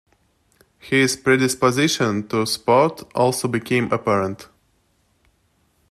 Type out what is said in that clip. His predisposition to sport also became apparent.